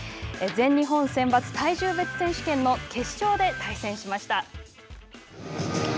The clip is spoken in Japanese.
全日本選抜体重別選手権の決勝で対戦しました。